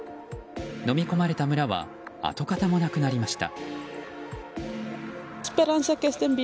のみ込まれた村は跡形もなくなりました。